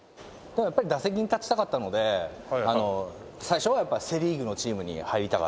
やっぱり打席に立ちたかったので最初はセ・リーグのチームに入りたかったですね。